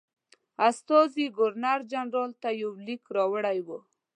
استازي ګورنرجنرال ته یو لیک راوړی وو.